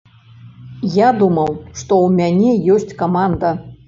Я думаў, што ў мяне ёсць каманда.